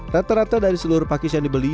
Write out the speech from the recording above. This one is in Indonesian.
rata rata dari seluruh pakis yang dibeli